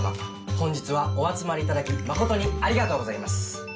本日はお集まり頂き誠にありがとうございます。